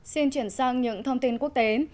xin chuyển sang những thông tin quốc tế